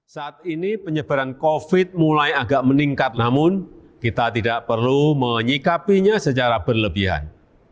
saat ini penyebaran covid mulai agak meningkat namun kita tidak perlu menyikapinya secara berlebihan